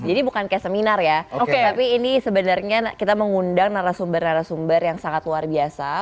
jadi bukan kayak seminar ya tapi ini sebenarnya kita mengundang narasumber narasumber yang sangat luar biasa